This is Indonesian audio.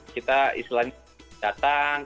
kita islam datang